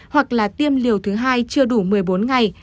hoặc là tiêm liều thứ hai chưa đủ một mươi bốn ngày